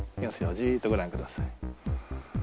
じーっとご覧ください。